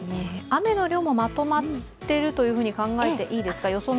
雨の量もまとまっていると考えていいですか。